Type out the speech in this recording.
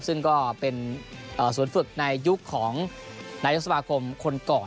ซึ่งก็เป็นศูนย์ฝึกในยุคของนายกสมาคมคนก่อน